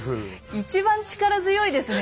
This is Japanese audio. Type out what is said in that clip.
一番力強いですね